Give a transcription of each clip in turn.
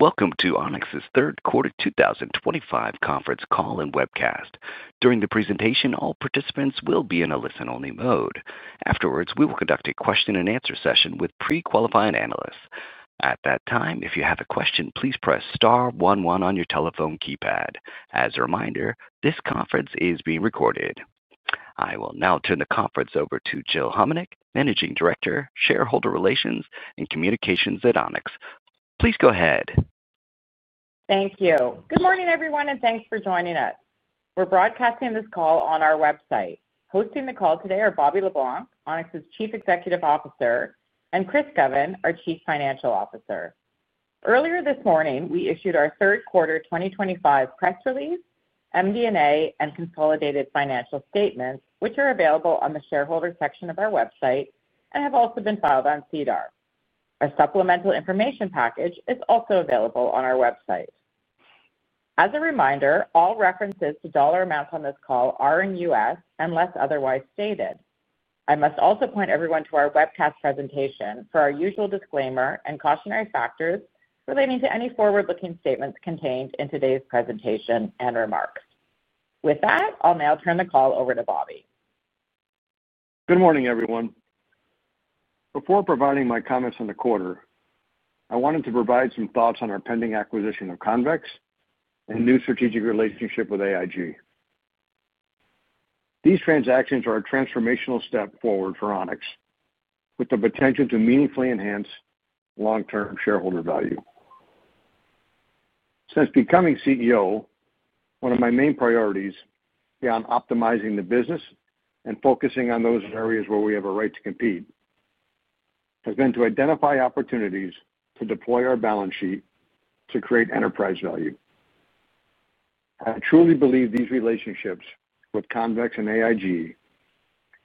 Welcome to Onex's Third Quarter 2025 Conference Call and Webcast. During the presentation, all participants will be in a listen-only mode. Afterwards, we will conduct a question-and-answer session with pre-qualifying analysts. At that time, if you have a question, please press star one one on your telephone keypad. As a reminder, this conference is being recorded. I will now turn the conference over to Jill Homenuk, Managing Director, Shareholder Relations and Communications at Onex. Please go ahead. Thank you. Good morning, everyone, and thanks for joining us. We are broadcasting this call on our website. Hosting the call today are Bobby Le Blanc, Onex's Chief Executive Officer, and Chris Govan, our Chief Financial Officer. Earlier this morning, we issued our third quarter 2025 press release, MD&A, and consolidated financial statements, which are available on the shareholder section of our website and have also been filed on SEDAR. A supplemental information package is also available on our website. As a reminder, all references to dollar amounts on this call are in U.S. unless otherwise stated. I must also point everyone to our webcast presentation for our usual disclaimer and cautionary factors relating to any forward-looking statements contained in today's presentation and remarks. With that, I will now turn the call over to Bobby. Good morning, everyone. Before providing my comments on the quarter, I wanted to provide some thoughts on our pending acquisition of Convex and new strategic relationship with AIG. These transactions are a transformational step forward for Onex, with the potential to meaningfully enhance long-term shareholder value. Since becoming CEO, one of my main priorities beyond optimizing the business and focusing on those areas where we have a right to compete has been to identify opportunities to deploy our balance sheet to create enterprise value. I truly believe these relationships with Convex and AIG,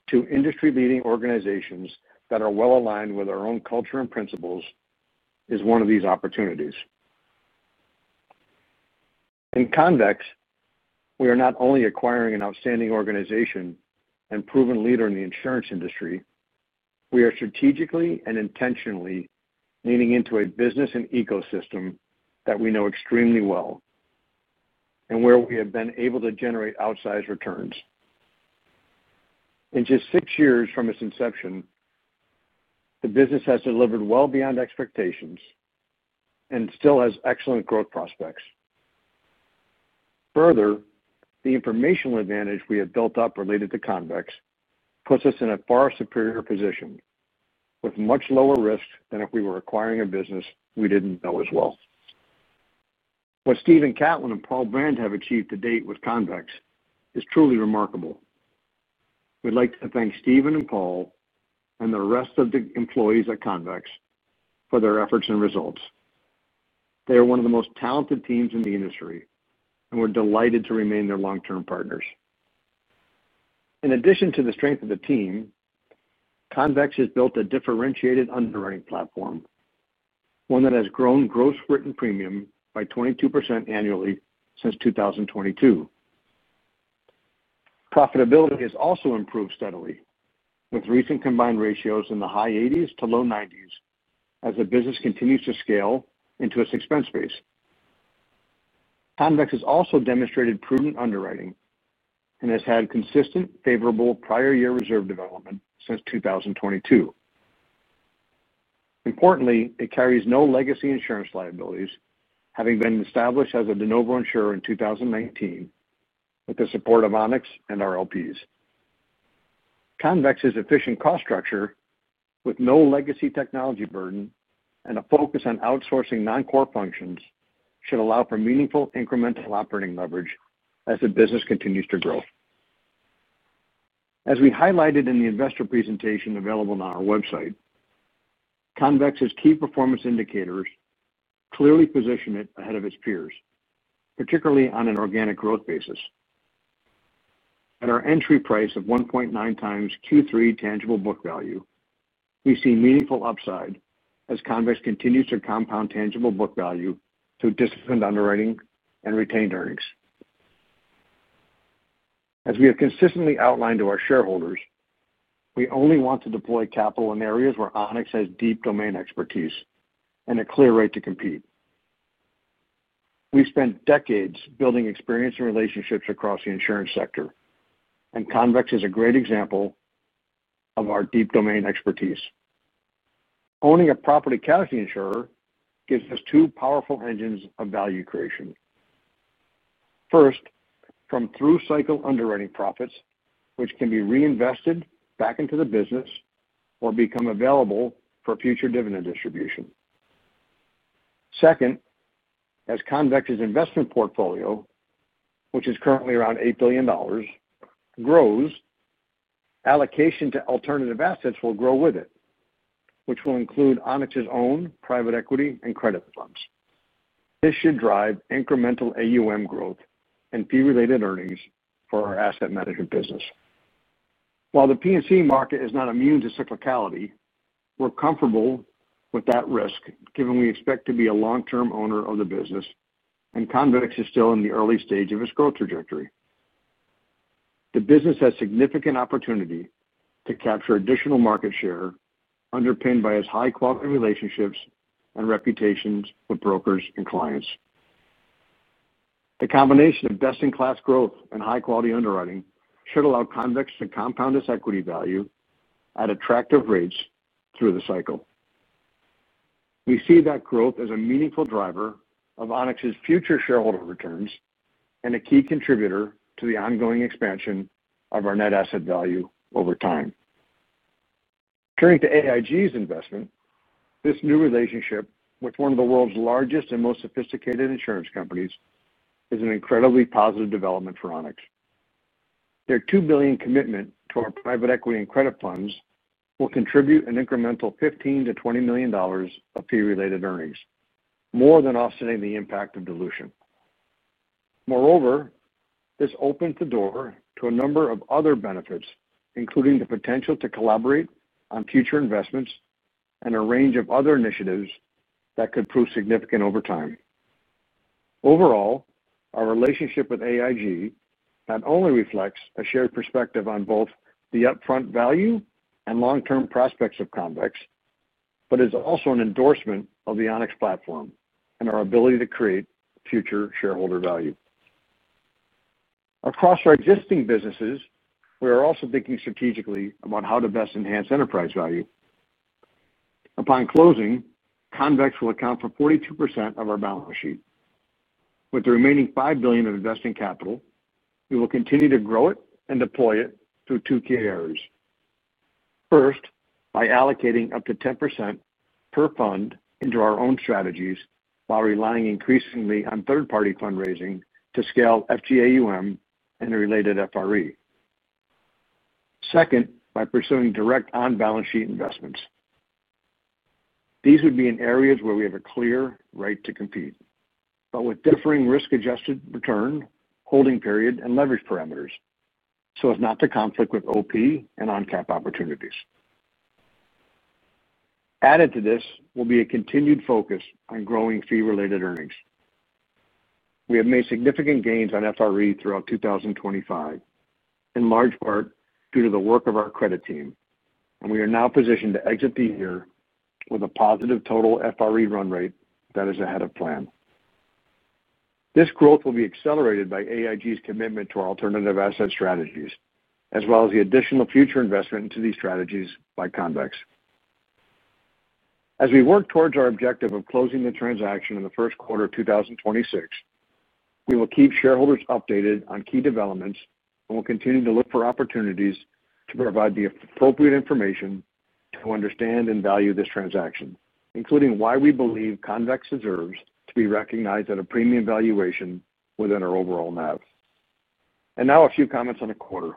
two industry-leading organizations that are well aligned with our own culture and principles, is one of these opportunities. In Convex, we are not only acquiring an outstanding organization and proven leader in the insurance industry; we are strategically and intentionally leaning into a business and ecosystem that we know extremely well and where we have been able to generate outsized returns. In just six years from its inception, the business has delivered well beyond expectations and still has excellent growth prospects. Further, the informational advantage we have built up related to Convex puts us in a far superior position with much lower risk than if we were acquiring a business we did not know as well. What Steven Catlin and Paul Brand have achieved to date with Convex is truly remarkable. We would like to thank Steven and Paul and the rest of the employees at Convex for their efforts and results. They are one of the most talented teams in the industry and we're delighted to remain their long-term partners. In addition to the strength of the team, Convex has built a differentiated underwriting platform, one that has grown gross written premium by 22% annually since 2022. Profitability has also improved steadily, with recent combined ratios in the high 80s- to low 90s as the business continues to scale into its expense base. Convex has also demonstrated prudent underwriting and has had consistent favorable prior year reserve development since 2022. Importantly, it carries no legacy insurance liabilities, having been established as a De Novo insurer in 2019 with the support of Onex and our LPs. Convex's efficient cost structure, with no legacy technology burden and a focus on outsourcing non-core functions, should allow for meaningful incremental operating leverage as the business continues to grow. As we highlighted in the investor presentation available on our website, Convex's key performance indicators clearly position it ahead of its peers, particularly on an organic growth basis. At our entry price of 1.9x Q3 tangible book value, we see meaningful upside as Convex continues to compound tangible book value through disciplined underwriting and retained earnings. As we have consistently outlined to our shareholders, we only want to deploy capital in areas where Onex has deep domain expertise and a clear right to compete. We've spent decades building experience and relationships across the insurance sector, and Convex is a great example of our deep domain expertise. Owning a property casualty insurer gives us two powerful engines of value creation. First, from through cycle underwriting profits, which can be reinvested back into the business or become available for future dividend distribution. Second, as Convex's investment portfolio, which is currently around $8 billion, grows, allocation to alternative assets will grow with it, which will include Onex's own private equity and credit funds. This should drive incremental AUM growth and fee-related earnings for our asset management business. While the P&C market is not immune to cyclicality, we're comfortable with that risk, given we expect to be a long-term owner of the business, and Convex is still in the early stage of its growth trajectory. The business has significant opportunity to capture additional market share underpinned by its high-quality relationships and reputations with brokers and clients. The combination of best-in-class growth and high-quality underwriting should allow Convex to compound its equity value at attractive rates through the cycle. We see that growth as a meaningful driver of Onex's future shareholder returns and a key contributor to the ongoing expansion of our net asset value over time. Turning to AIG's investment, this new relationship with one of the world's largest and most sophisticated insurance companies is an incredibly positive development for Onex. Their $2 billion commitment to our private equity and credit funds will contribute an incremental $15 million-$20 million of fee-related earnings, more than offsetting the impact of dilution. Moreover, this opens the door to a number of other benefits, including the potential to collaborate on future investments and a range of other initiatives that could prove significant over time. Overall, our relationship with AIG not only reflects a shared perspective on both the upfront value and long-term prospects of Convex, but is also an endorsement of the Onex platform and our ability to create future shareholder value. Across our existing businesses, we are also thinking strategically about how to best enhance enterprise value. Upon closing, Convex will account for 42% of our balance sheet. With the remaining $5 billion of investing capital, we will continue to grow it and deploy it through two key areas. First, by allocating up to 10% per fund into our own strategies while relying increasingly on third-party fundraising to scale FGAUM and related FRE. Second, by pursuing direct on-balance sheet investments. These would be in areas where we have a clear right to compete, but with differing risk-adjusted return, holding period, and leverage parameters, so as not to conflict with OP and on-cap opportunities. Added to this will be a continued focus on growing fee-related earnings. We have made significant gains on FRE throughout 2025, in large part due to the work of our credit team, and we are now positioned to exit the year with a positive total FRE run rate that is ahead of plan. This growth will be accelerated by AIG's commitment to our alternative asset strategies, as well as the additional future investment into these strategies by Convex. As we work towards our objective of closing the transaction in the first quarter of 2026, we will keep shareholders updated on key developments and will continue to look for opportunities to provide the appropriate information to understand and value this transaction, including why we believe Convex deserves to be recognized at a premium valuation within our overall NAV. Now a few comments on the quarter.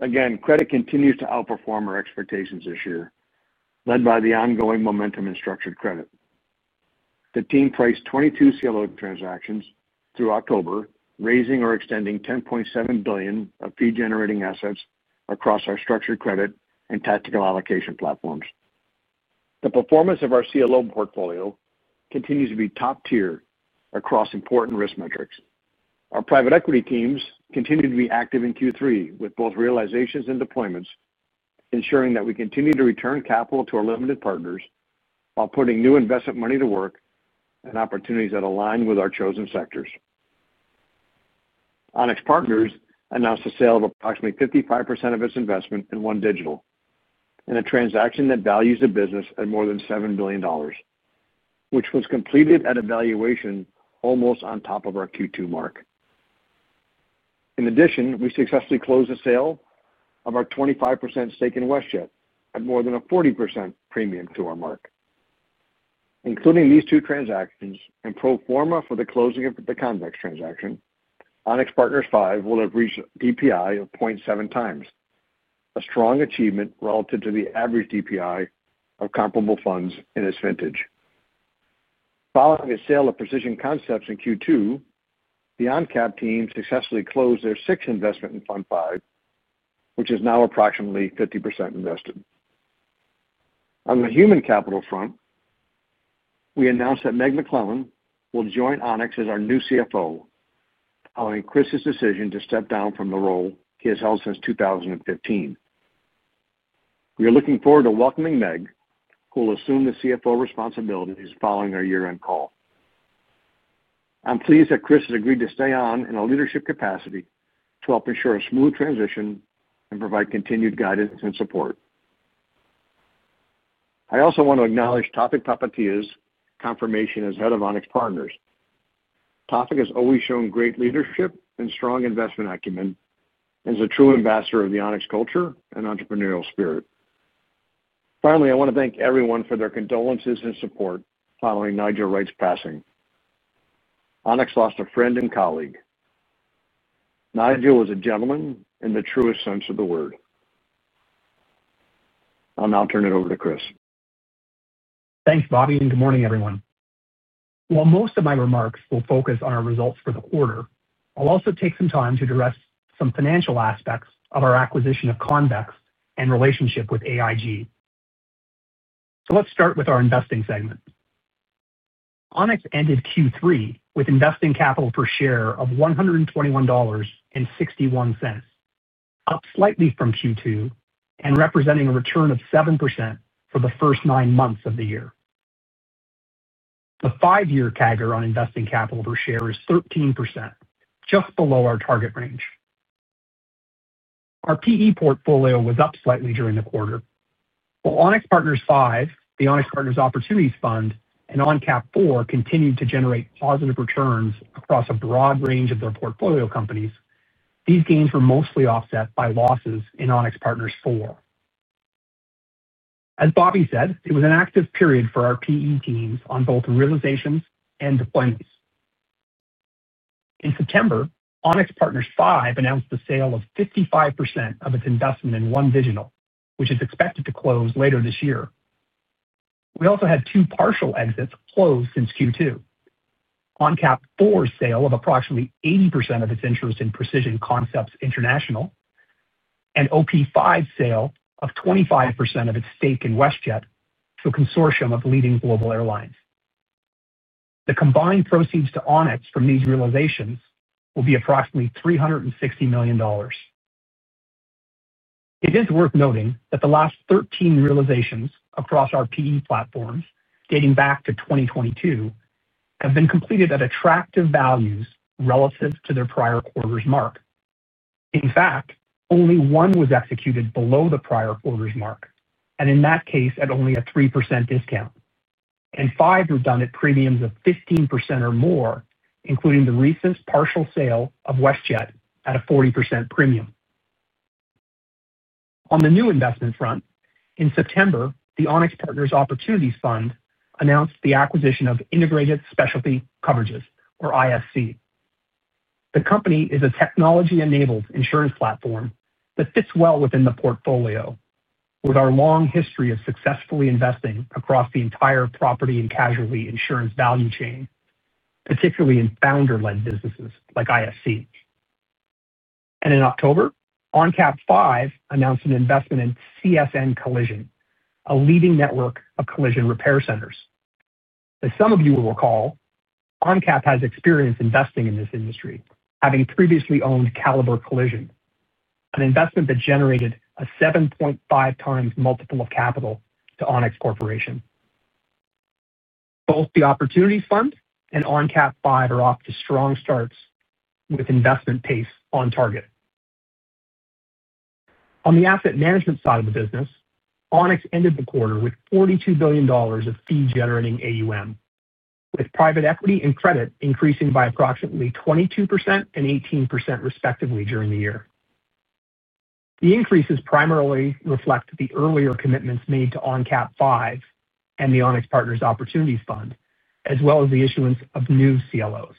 Again, credit continues to outperform our expectations this year, led by the ongoing momentum in structured credit. The team priced 22 CLO transactions through October, raising or extending $10.7 billion of fee-generating assets across our structured credit and tactical allocation platforms. The performance of our CLO portfolio continues to be top tier across important risk metrics. Our private equity teams continue to be active in Q3 with both realizations and deployments, ensuring that we continue to return capital to our limited partners while putting new investment money to work in opportunities that align with our chosen sectors. Onex Partners announced a sale of approximately 55% of its investment in One Digital, in a transaction that values the business at more than $7 billion, which was completed at a valuation almost on top of our Q2 mark. In addition, we successfully closed the sale of our 25% stake in WestJet at more than a 40% premium to our mark. Including these two transactions and pro forma for the closing of the Convex transaction, Onex Partners 5 will have reached a DPI of 0.7x, a strong achievement relative to the average DPI of comparable funds in its vintage. Following a sale of Precision Concepts in Q2, the on-cap team successfully closed their sixth investment in Fund 5, which is now approximately 50% invested. On the human capital front, we announced that Meg McLellan will join Onex as our new CFO, following Chris's decision to step down from the role he has held since 2015. We are looking forward to welcoming Meg, who will assume the CFO responsibilities following our year-end call. I'm pleased that Chris has agreed to stay on in a leadership capacity to help ensure a smooth transition and provide continued guidance and support. I also want to acknowledge Tawfiq Popatia's confirmation as Head of Onex Partners. Tawfiq has always shown great leadership and strong investment acumen and is a true ambassador of the Onex culture and entrepreneurial spirit. Finally, I want to thank everyone for their condolences and support following Nigel Wright's passing. Onex lost a friend and colleague. Nigel was a gentleman in the truest sense of the word. I'll now turn it over to Chris. Thanks, Bobby, and good morning, everyone. While most of my remarks will focus on our results for the quarter, I'll also take some time to address some financial aspects of our acquisition of Convex and relationship with AIG. Let's start with our investing segment. Onex ended Q3 with investing capital per share of $121.61, up slightly from Q2 and representing a return of 7% for the first nine months of the year. The five-year CAGR on investing capital per share is 13%, just below our target range. Our PE portfolio was up slightly during the quarter. While Onex Partners 5, the Onex Partners Opportunities Fund, and on-cap 4 continued to generate positive returns across a broad range of their portfolio companies, these gains were mostly offset by losses in Onex Partners 4. As Bobby said, it was an active period for our PE teams on both realizations and deployments. In September, Onex Partners 5 announced the sale of 55% of its investment in One Digital, which is expected to close later this year. We also had two partial exits close since Q2. On-cap 4's sale of approximately 80% of its interest in Precision Concepts International and OP 5's sale of 25% of its stake in WestJet to a consortium of leading global airlines. The combined proceeds to Onex from these realizations will be approximately $360 million. It is worth noting that the last 13 realizations across our PE platforms, dating back to 2022, have been completed at attractive values relative to their prior quarter's mark. In fact, only one was executed below the prior quarter's mark, and in that case, at only a 3% discount, and five were done at premiums of 15% or more, including the recent partial sale of WestJet at a 40% premium. On the new investment front, in September, the Onex Partners Opportunities Fund announced the acquisition of Integrated Specialty Coverages, or ISC. The company is a technology-enabled insurance platform that fits well within the portfolio, with our long history of successfully investing across the entire property and casualty insurance value chain, particularly in founder-led businesses like ISC. In October, on-cap 5 announced an investment in CSN Collision, a leading network of collision repair centers. As some of you will recall, on-cap has experience investing in this industry, having previously owned Caliber Collision, an investment that generated a 7.5 times multiple of capital to Onex Corporation. Both the Opportunities Fund and on-cap 5 are off to strong starts with investment pace on target. On the asset management side of the business, Onex ended the quarter with $42 billion of fee-generating AUM, with private equity and credit increasing by approximately 22% and 18% respectively during the year. The increases primarily reflect the earlier commitments made to On-cap 5 and the Onex Partners Opportunities Fund, as well as the issuance of new CLOs.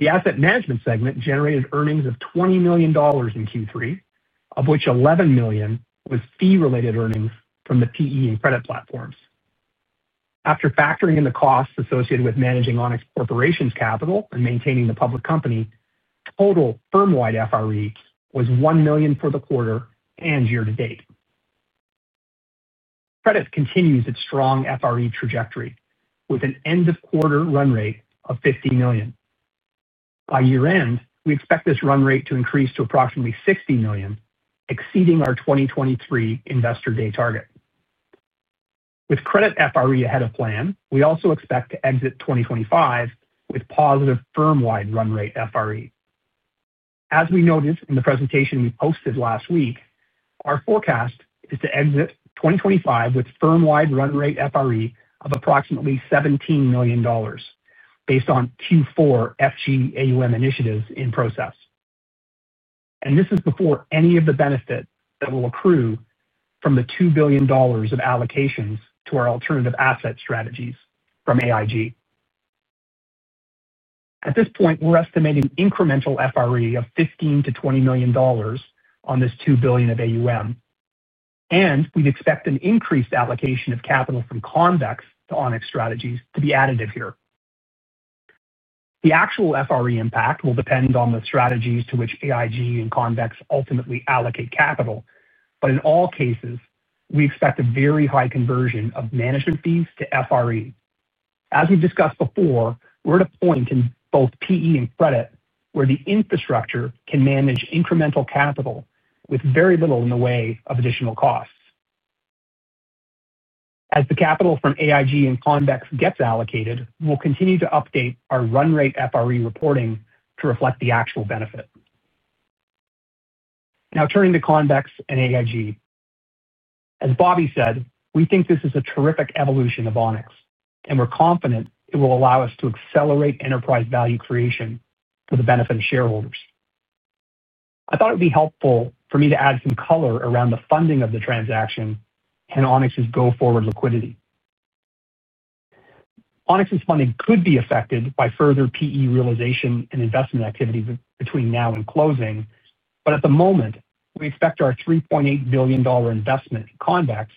The asset management segment generated earnings of $20 million in Q3, of which $11 million was fee-related earnings from the PE and credit platforms. After factoring in the costs associated with managing Onex Corporation's capital and maintaining the public company, total firm-wide FRE was $1 million for the quarter and year-to-date. Credit continues its strong FRE trajectory, with an end-of-quarter run rate of $50 million. By year-end, we expect this run rate to increase to approximately $60 million, exceeding our 2023 investor-day target. With credit FRE ahead of plan, we also expect to exit 2025 with positive firm-wide run rate FRE. As we noted in the presentation we posted last week, our forecast is to exit 2025 with firm-wide run rate FRE of approximately $17 million, based on Q4 FGAUM initiatives in process. This is before any of the benefits that will accrue from the $2 billion of allocations to our alternative asset strategies from AIG. At this point, we're estimating an incremental FRE of $15 million-$20 million on this $2 billion of AUM, and we'd expect an increased allocation of capital from Convex to Onex Strategies to be additive here. The actual FRE impact will depend on the strategies to which AIG and Convex ultimately allocate capital, but in all cases, we expect a very high conversion of management fees to FRE. As we've discussed before, we're at a point in both PE and credit where the infrastructure can manage incremental capital with very little in the way of additional costs. As the capital from AIG and Convex gets allocated, we'll continue to update our run rate FRE reporting to reflect the actual benefit. Now, turning to Convex and AIG. As Bobby said, we think this is a terrific evolution of Onex, and we're confident it will allow us to accelerate enterprise value creation for the benefit of shareholders. I thought it would be helpful for me to add some color around the funding of the transaction and Onex's go-forward liquidity. Onex funding could be affected by further PE realization and investment activity between now and closing, but at the moment, we expect our $3.8 billion investment in Convex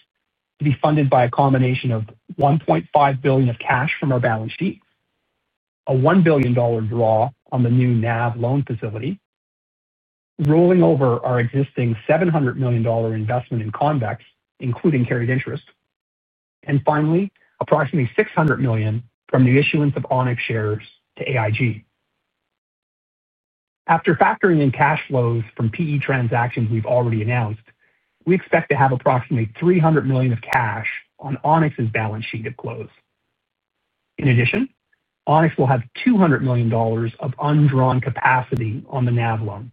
to be funded by a combination of $1.5 billion of cash from our balance sheet, a $1 billion draw on the new NAV loan facility, rolling over our existing $700 million investment in Convex, including carried interest, and finally, approximately $600 million from the issuance of Onex shares to AIG. After factoring in cash flows from PE transactions we've already announced, we expect to have approximately $300 million of cash on Onex's balance sheet at close. In addition, Onex will have $200 million of undrawn capacity on the NAV loan.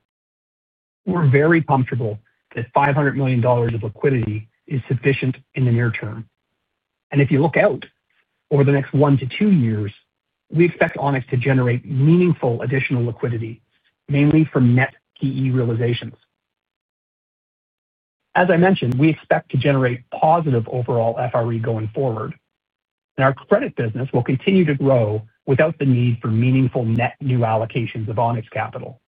We're very comfortable that $500 million of liquidity is sufficient in the near term. If you look out over the next one to two years, we expect Onex to generate meaningful additional liquidity, mainly from net PE realizations. As I mentioned, we expect to generate positive overall FRE going forward, and our credit business will continue to grow without the need for meaningful net new allocations of Onex capital.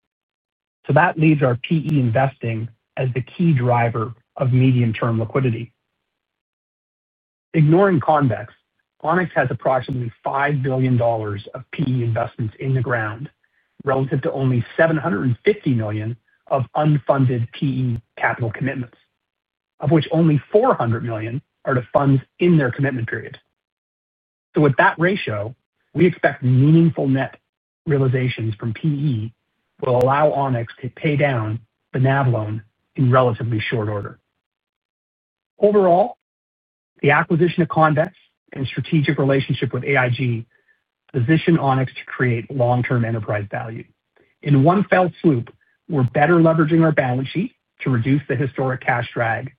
That leaves our PE investing as the key driver of medium-term liquidity. Ignoring Convex, Onex has approximately $5 billion of PE investments in the ground relative to only $750 million of unfunded PE capital commitments, of which only $400 million are to funds in their commitment period. With that ratio, we expect meaningful net realizations from PE will allow Onex to pay down the NAV loan in relatively short order. Overall, the acquisition of Convex and strategic relationship with AIG position Onex to create long-term enterprise value. In one fell swoop, we're better leveraging our balance sheet to reduce the historic cash drag,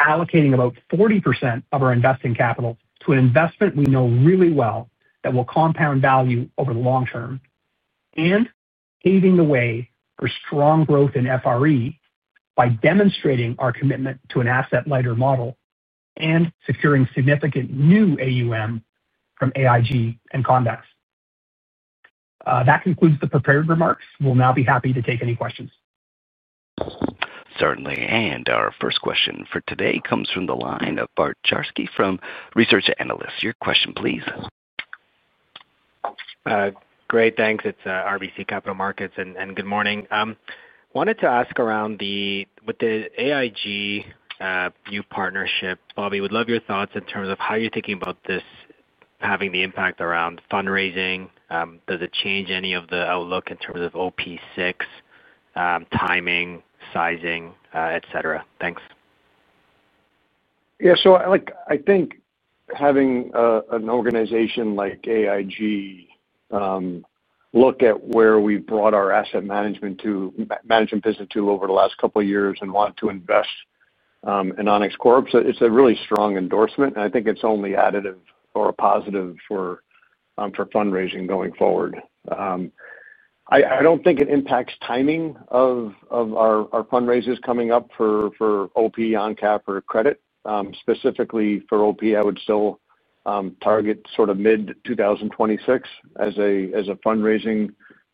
allocating about 40% of our investing capital to an investment we know really well that will compound value over the long term, and paving the way for strong growth in FRE by demonstrating our commitment to an asset-lighter model and securing significant new AUM from AIG and Convex. That concludes the prepared remarks. We'll now be happy to take any questions. Certainly. Our first question for today comes from the line of Bart Dziarski from RBC Capital Markets. Your question, please. Great. Thanks. It is RBC Capital Markets, and good morning. I wanted to ask around the AIG partnership. Bobby, we would love your thoughts in terms of how you are thinking about this having the impact around fundraising. Does it change any of the outlook in terms of OP6 timing, sizing, etc.? Thanks. Yeah. I think having an organization like AIG look at where we've brought our asset management business to over the last couple of years and want to invest in Onex corp, it's a really strong endorsement, and I think it's only additive or a positive for fundraising going forward. I don't think it impacts timing of our fundraisers coming up for OP, on-cap, or credit. Specifically for OP, I would still target sort of mid-2026 as a fundraising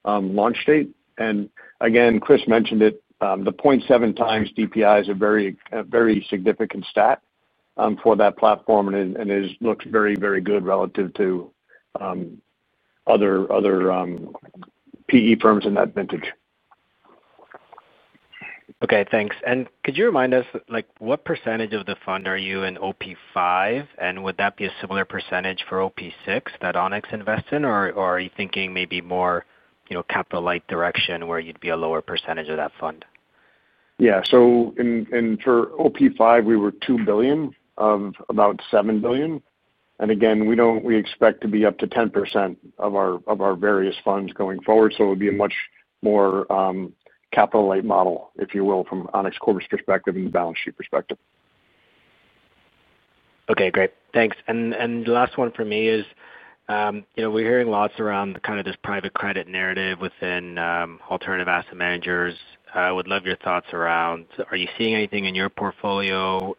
launch date. Chris mentioned it, the 0.7x DPI is a very significant stat for that platform and looks very good relative to other PE firms in that vintage. Okay. Thanks. Could you remind us what percentage of the fund are you in OP5, and would that be a similar percentage for OP6 that Onex invests in, or are you thinking maybe more capital-light direction where you'd be a lower percentage of that fund? Yeah. For OP5, we were $2 billion of about $7 billion. Again, we expect to be up to 10% of our various funds going forward, so it would be a much more capital-light model, if you will, from Onex's perspective and the balance sheet perspective. Okay. Great. Thanks. The last one for me is we're hearing lots around kind of this private credit narrative within alternative asset managers. I would love your thoughts around, are you seeing anything in your portfolio?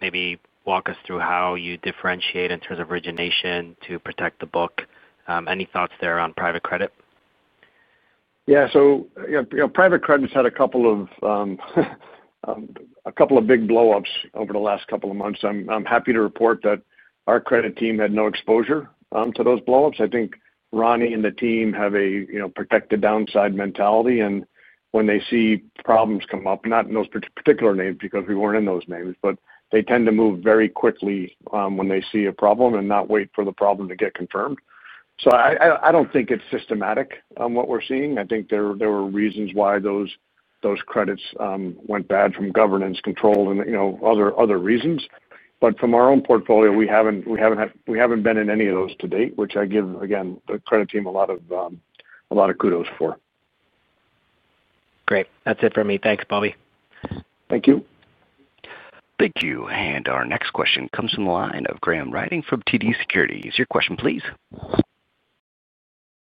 Maybe walk us through how you differentiate in terms of origination to protect the book. Any thoughts there around private credit? Yeah. Private credit's had a couple of big blow-ups over the last couple of months. I'm happy to report that our credit team had no exposure to those blow-ups. I think Ronnie and the team have a protective downside mentality, and when they see problems come up, not in those particular names because we were not in those names, but they tend to move very quickly when they see a problem and not wait for the problem to get confirmed. I do not think it is systematic what we are seeing. I think there were reasons why those credits went bad from governance control and other reasons. From our own portfolio, we have not been in any of those to date, which I give, again, the credit team a lot of kudos for. Great. That's it for me. Thanks, Bobby. Thank you. Thank you. Our next question comes from the line of Graham Ryding from TD Securities. Is your question, please?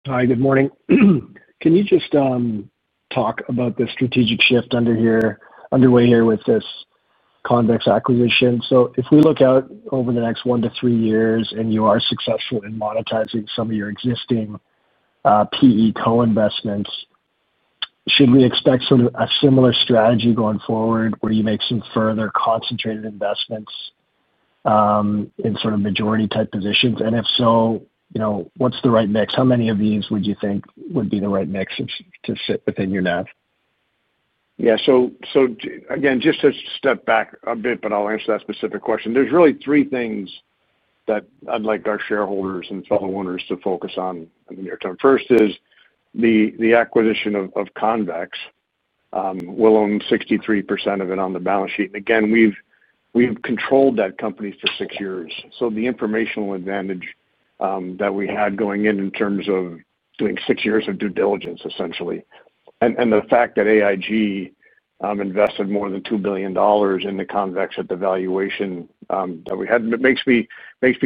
Hi. Good morning. Can you just talk about the strategic shift underway here with this Convex acquisition? If we look out over the next one to three years and you are successful in monetizing some of your existing PE co-investments, should we expect sort of a similar strategy going forward where you make some further concentrated investments in sort of majority-type positions? If so, what's the right mix? How many of these would you think would be the right mix to sit within your NAV? Yeah. Again, just to step back a bit, but I'll answer that specific question. There are really three things that I'd like our shareholders and fellow owners to focus on in the near term. First is the acquisition of Convex. We'll own 63% of it on the balance sheet. Again, we've controlled that company for six years. The informational advantage that we had going in in terms of doing six years of due diligence, essentially, and the fact that AIG invested more than $2 billion in Convex at the valuation that we had, it makes me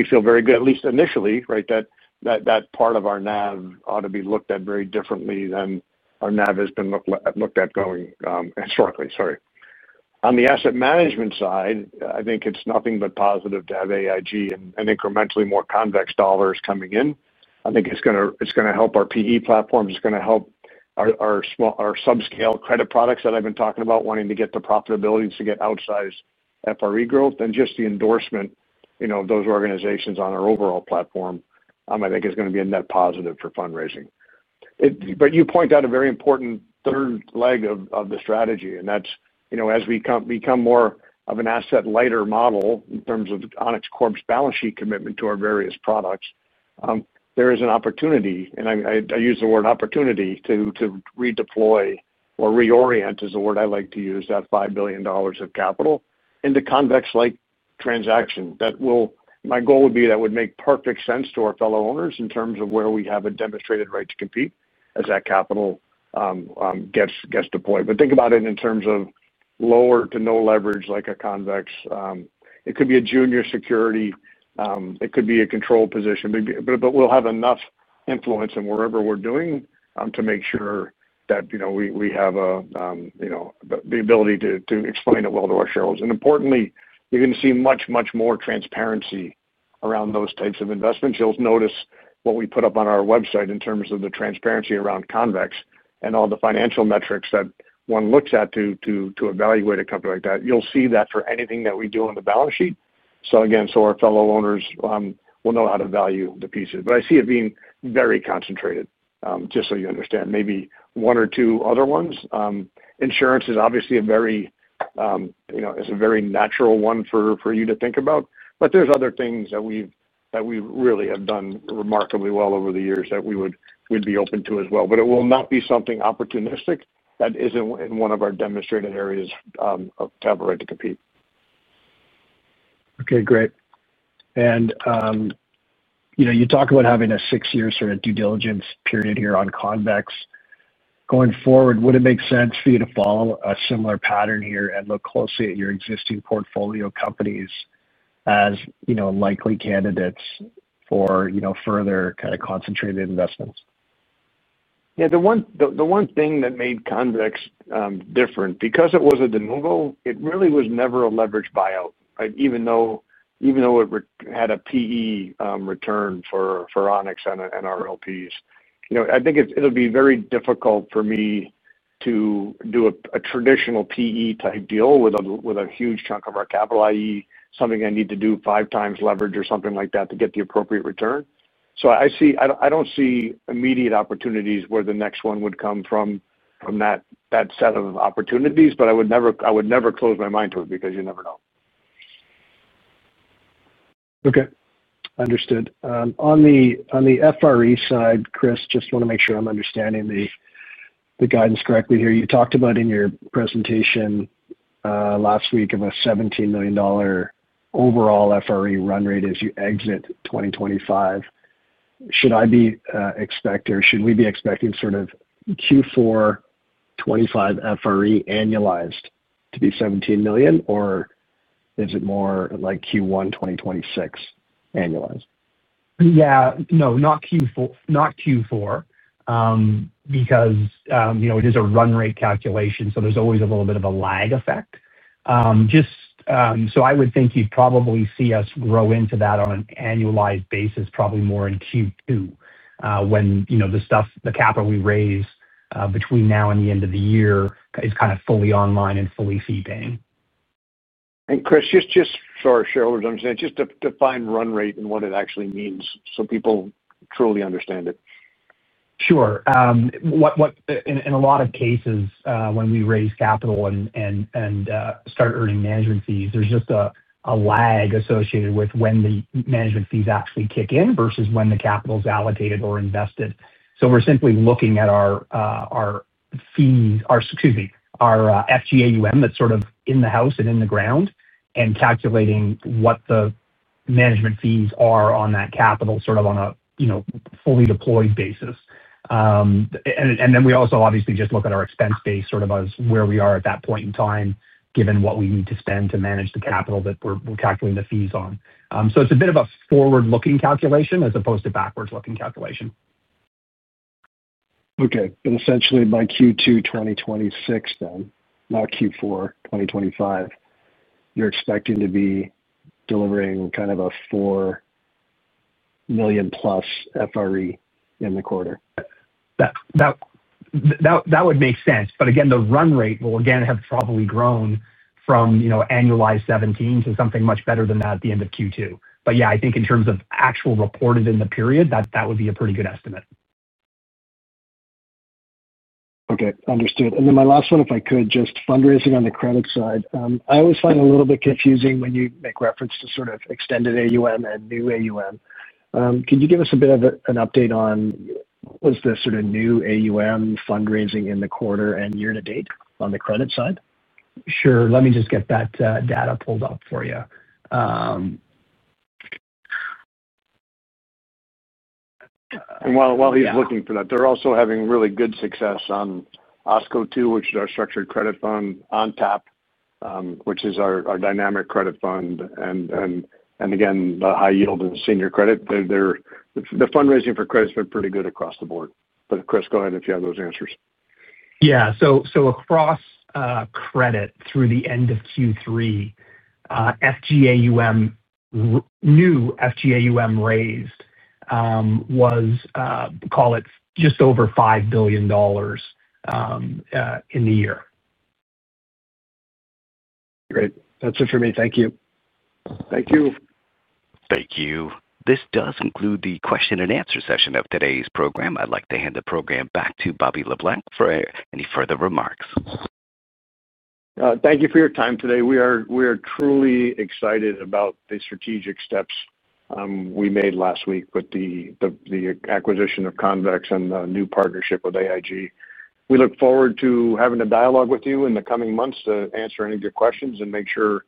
feel very good, at least initially, right, that that part of our NAV ought to be looked at very differently than our NAV has been looked at going historically. Sorry. On the asset management side, I think it's nothing but positive to have AIG and incrementally more Convex dollars coming in. I think it's going to help our PE platforms. It's going to help our subscale credit products that I've been talking about, wanting to get the profitability to get outsized FRE growth. Just the endorsement of those organizations on our overall platform, I think, is going to be a net positive for fundraising. You point out a very important third leg of the strategy, and that's as we become more of an asset-lighter model in terms of Onex's corp balance sheet commitment to our various products, there is an opportunity, and I use the word opportunity, to redeploy or reorient, is the word I like to use, that $5 billion of capital into Convex-like transactions. My goal would be that would make perfect sense to our fellow owners in terms of where we have a demonstrated right to compete as that capital gets deployed. Think about it in terms of lower to no leverage like a Convex. It could be a junior security. It could be a control position, but we'll have enough influence in wherever we're doing to make sure that we have the ability to explain it well to our shareholders. Importantly, you're going to see much, much more transparency around those types of investments. You'll notice what we put up on our website in terms of the transparency around Convex and all the financial metrics that one looks at to evaluate a company like that. You'll see that for anything that we do on the balance sheet. Again, our fellow owners will know how to value the pieces. I see it being very concentrated, just so you understand. Maybe one or two other ones. Insurance is obviously a very natural one for you to think about, but there are other things that we really have done remarkably well over the years that we would be open to as well. It will not be something opportunistic that is not in one of our demonstrated areas of capital-right to compete. Okay. Great. You talk about having a six-year sort of due diligence period here on Convex. Going forward, would it make sense for you to follow a similar pattern here and look closely at your existing portfolio companies as likely candidates for further kind of concentrated investments? Yeah. The one thing that made Convex different, because it was a De Novo, it really was never a leveraged buyout, even though it had a PE return for Onex and our LPs. I think it'll be very difficult for me to do a traditional PE-type deal with a huge chunk of our capital, i.e., something I need to do 5x leverage or something like that to get the appropriate return. I do not see immediate opportunities where the next one would come from that set of opportunities, but I would never close my mind to it because you never know. Okay. Understood. On the FRE side, Chris, just want to make sure I'm understanding the guidance correctly here. You talked about in your presentation last week of a $17 million overall FRE run rate as you exit 2025. Should I be expecting or should we be expecting sort of Q4 2025 FRE annualized to be $17 million, or is it more like Q1 2026 annualized? Yeah. No, not Q4 because it is a run rate calculation, so there's always a little bit of a lag effect. I would think you'd probably see us grow into that on an annualized basis, probably more in Q2 when the capital we raise between now and the end of the year is kind of fully online and fully fee-paying. Chris, just so our shareholders understand, just to define run rate and what it actually means so people truly understand it. Sure. In a lot of cases, when we raise capital and start earning management fees, there's just a lag associated with when the management fees actually kick in versus when the capital's allocated or invested. We are simply looking at our fees—excuse me—our FGAUM that's sort of in the house and in the ground and calculating what the management fees are on that capital sort of on a fully deployed basis. We also obviously just look at our expense base sort of as where we are at that point in time, given what we need to spend to manage the capital that we're calculating the fees on. It is a bit of a forward-looking calculation as opposed to backward-looking calculation. Okay. Essentially, by Q2 2026 then, not Q4 2025, you're expecting to be delivering kind of a $4 million-plus FRE in the quarter? That would make sense. Again, the run rate will, again, have probably grown from annualized 17 to something much better than that at the end of Q2. Yeah, I think in terms of actual reported in the period, that would be a pretty good estimate. Okay. Understood. My last one, if I could, just fundraising on the credit side. I always find it a little bit confusing when you make reference to sort of extended AUM and new AUM. Could you give us a bit of an update on what was the sort of new AUM fundraising in the quarter and year-to-date on the credit side? Sure. Let me just get that data pulled up for you. While he's looking for that, they're also having really good success on OSCO too, which is our structured credit fund, on tap, which is our dynamic credit fund. Again, the high yield and senior credit, the fundraising for credit's been pretty good across the board. Chris, go ahead if you have those answers. Yeah. So across credit through the end of Q3, new FGAUM raised was, call it, just over $5 billion in the year. Great. That's it for me. Thank you. Thank you. Thank you. This does include the question-and-answer session of today's program. I'd like to hand the program back to Bobby Le Blanc for any further remarks. Thank you for your time today. We are truly excited about the strategic steps we made last week with the acquisition of Convex and the new partnership with AIG. We look forward to having a dialogue with you in the coming months to answer any of your questions and make sure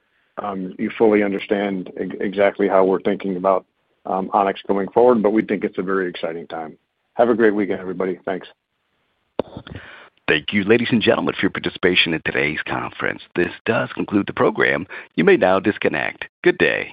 you fully understand exactly how we're thinking about Onex going forward, but we think it's a very exciting time. Have a great weekend, everybody. Thanks. Thank you, ladies and gentlemen, for your participation in today's conference. This does conclude the program. You may now disconnect. Good day.